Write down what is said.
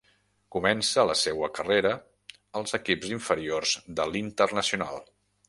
Comença la seua carrera als equips inferiors de l'Internacional.